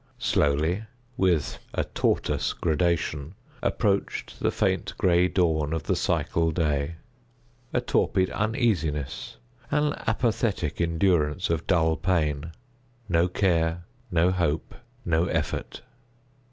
Slowly—with a tortoise gradation—approached the faint gray dawn of the psychal day. A torpid uneasiness. An apathetic endurance of dull pain. No care—no hope—no effort.